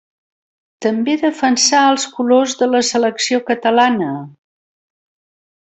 També defensà els colors de la selecció catalana.